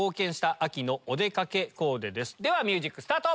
矢部さんの。ではミュージックスタート！